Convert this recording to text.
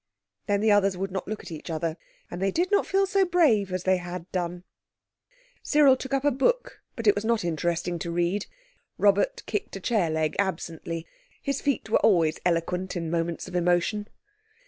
Then the others would not look at each other, and they did not feel so brave as they had done. Cyril took up a book, but it was not interesting to read. Robert kicked a chair leg absently. His feet were always eloquent in moments of emotion.